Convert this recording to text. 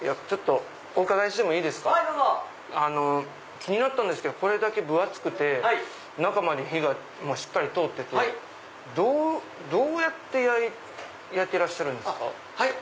気になったんですけどこれだけ分厚くて中まで火がしっかり通っててどうやって焼いてらっしゃるんですか？